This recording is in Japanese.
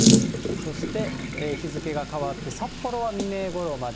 そして日付が変わって札幌は未明ごろまで。